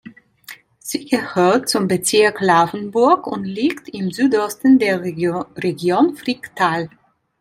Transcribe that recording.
Sie gehört zum Bezirk Laufenburg und liegt im Südosten der Region Fricktal.